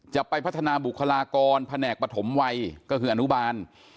จะไปพัฒนาบุคลากรแผนกปฐมวัยก็คืออนุบาล